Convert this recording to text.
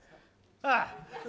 ああ。